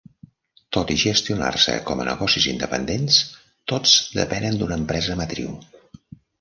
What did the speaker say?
Tot i gestionar-se com a negocis independents, tots depenen d'una empresa matriu.